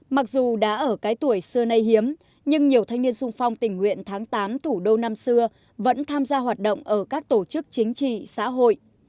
mặc dù đã ở cái tuổi xưa nay hiếm nhưng nhiều thanh niên sung phong tình nguyện tháng tám thủ đô năm xưa vẫn tham gia hoạt động ở các tổ chức chính trị xã hội